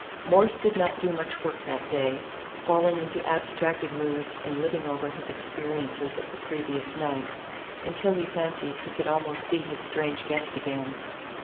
Morse did not do much work that day, falling into abstracted moods and living over his experiences of the previous night, until he fancied he could almost see his strange guest again.